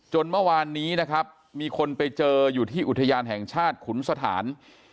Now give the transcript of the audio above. เมื่อวานนี้นะครับมีคนไปเจออยู่ที่อุทยานแห่งชาติขุนสถาน